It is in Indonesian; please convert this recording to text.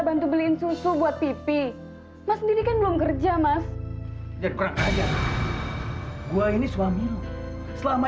bantu beliin susu buat pipi mas ini kan belum kerja mas ya kurang aja gua ini suami selama